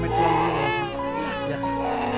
terima kasih banyak pak